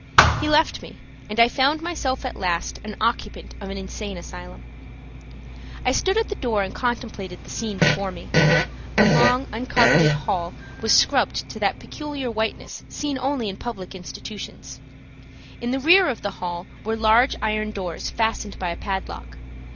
He left me and I found myself at last an occupant of an insane asylum. I stood at the door and contemplated the scene before me. The long, uncarpeted hall was scrubbed to that peculiar whiteness seen only in public institutions. In the rear of the hall were large iron doors fastened by a padlock.